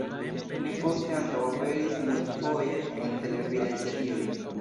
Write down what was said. Li poste ankaŭ aperis multfoje en televidaj serioj.